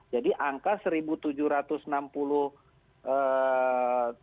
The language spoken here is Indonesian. jadi angka seribu tujuh ratus enam puluh triliun itu tadi kita juga nggak nemu itu angkanya di mana gitu